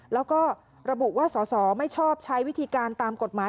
แล้วก็ระบุว่าสอสอไม่ชอบใช้วิธีการตามกฎหมาย